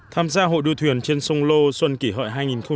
tham gia hội đua thuyền trên sông lô xuân kỷ hợi hai nghìn một mươi chín